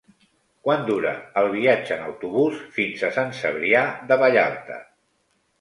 Quant dura el viatge en autobús fins a Sant Cebrià de Vallalta?